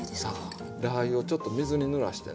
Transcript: ラー油をちょっと水にぬらしてね。